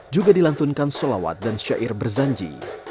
juga dilantunkan sholawat dan syair berzanji